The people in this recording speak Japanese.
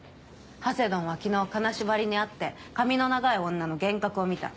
ハセドンは昨日金縛りに遭って髪の長い女の幻覚を見た。